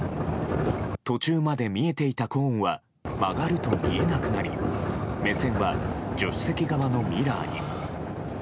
途中まで見えていたコーンは曲がると見えなくなり目線は助手席側のミラーに。